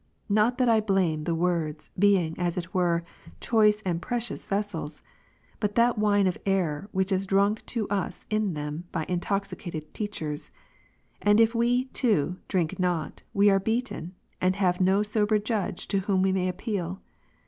Not that I blame the words, being, as it were choice and j)recious vessels ; but the wine of error which is drunk to us in them by intoxicated teachers ; and if we, too, drink not, we are beaten, and have no sober judge to whom we may appeal.